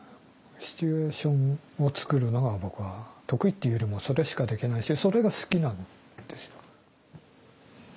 シチュエーションを作るのが僕は得意っていうよりもそれしかできないしそれが好きなんですよ。